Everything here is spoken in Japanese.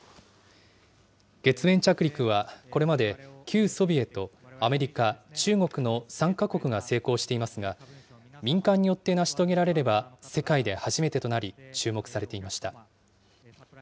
月面着陸はこれまで、旧ソビエト、アメリカ、中国の３か国が成功していますが、民間によって成し遂げられれば世界で初めてとなり、注目されていました。